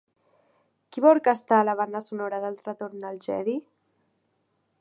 Qui va orquestrar la banda sonora d'El retorn del Jedi?